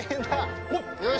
よし。